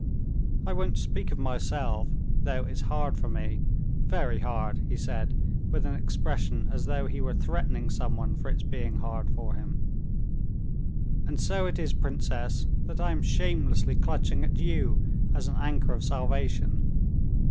_ I won't speak of myself, though it's hard for me, very hard," he said, with an expression as though he were threatening someone for its being hard for him. "And so it is, princess, that I am shamelessly clutching at you as an anchor of salvation.